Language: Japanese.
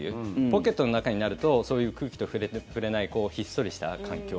ポケットの中になるとそういう空気と触れないあるんだ。